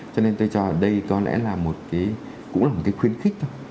cho nên tôi cho ở đây có lẽ là một cái cũng là một cái khuyến khích thôi